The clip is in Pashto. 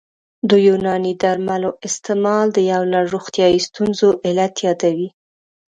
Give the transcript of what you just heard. د یوناني درملو استعمال د یو لړ روغتیايي ستونزو علت یادوي